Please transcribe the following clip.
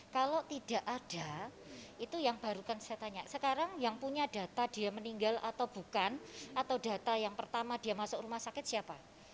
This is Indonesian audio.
kalau tidak ada itu yang baru kan saya tanya sekarang yang punya data dia meninggal atau bukan atau data yang pertama dia masuk rumah sakit siapa